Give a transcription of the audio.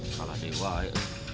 salah diwa ya